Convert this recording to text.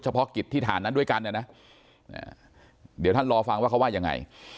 เพาะกิจที่ฐานนั้นด้วยกันเนี่ยนะเดี๋ยวท่านรอฟังว่าเขาว่ายังไง